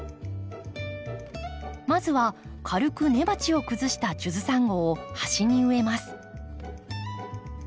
まずは軽く根鉢を崩したジュズサンゴを端に植えます。